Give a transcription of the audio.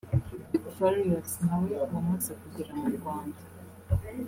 Big Farious na we wamaze kugera mu Rwanda